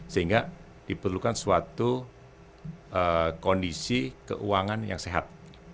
sehingga diperlukan suatu kondisi keuangan yang sehat